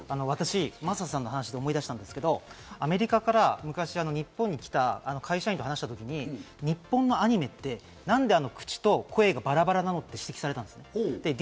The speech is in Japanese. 真麻さんの話で思い出したんですけど、アメリカから日本に来た会社員と話した時に、日本のアニメって何で口と声がバラバラなの？って指摘されたんです。